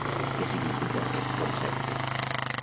Què significa aquest concepte?